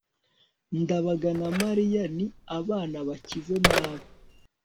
ndabaga na mariya ni abana bakize nabi